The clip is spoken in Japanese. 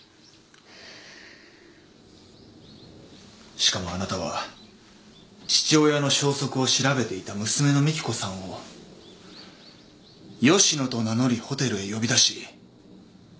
しかもあなたは父親の消息を調べていた娘の三喜子さんを吉野と名乗りホテルへ呼び出し口を封じようとした。